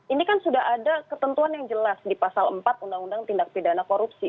ini kan sudah ada ketentuan yang jelas di pasal empat undang undang tindak pidana korupsi